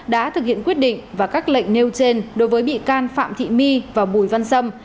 đã thực hiện quyết định và các lệnh nêu trên đối với bị can phạm thị my và bùi văn sâm